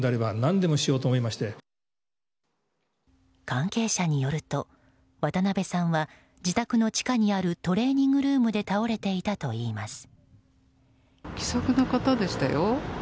関係者によると渡辺さんは自宅の地下にあるトレーニングルームで倒れていたといいます。